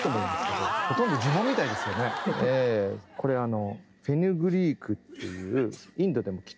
これあの。